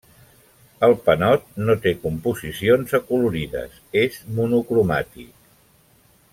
El panot no té composicions acolorides, és monocromàtic.